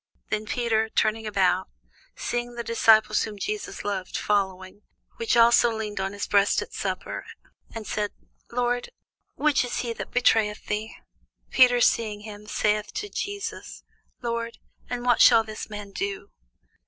Then Peter, turning about, seeth the disciple whom Jesus loved following; which also leaned on his breast at supper, and said, Lord, which is he that betrayeth thee? Peter seeing him saith to Jesus, Lord, and what shall this man do?